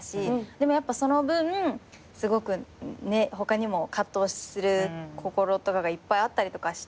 でもやっぱその分すごく他にも葛藤する心とかがいっぱいあったりとかして。